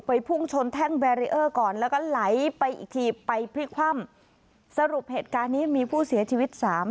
พุ่งชนแท่งแบรีเออร์ก่อนแล้วก็ไหลไปอีกทีไปพลิกคว่ำสรุปเหตุการณ์นี้มีผู้เสียชีวิตสาม